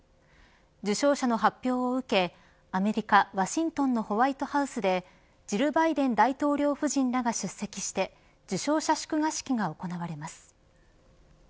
受賞者の発表を受けアメリカ・ワシントンのホワイトハウスでジル・バイデン大統領夫人らが出席して受賞者祝賀式が行われます。